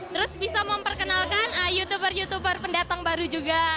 terus bisa memperkenalkan youtuber youtuber pendatang baru juga